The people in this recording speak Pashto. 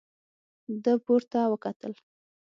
ده پورته وکتل.